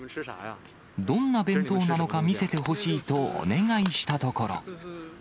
どんな弁当なのか見せてほしいとお願いしたところ。